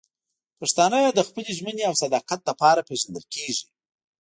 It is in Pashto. پښتانه د خپل ژمنې او صداقت لپاره پېژندل کېږي.